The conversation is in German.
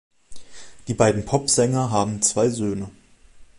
Die beiden Popsänger haben zwei Söhne.